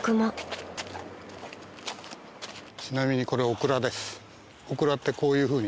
ちなみにこれオクラです。